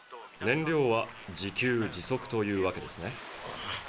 燃料は自給自足というわけですね。